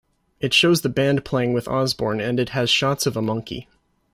It shows the band playing with Osbourne and it has shots of a monkey.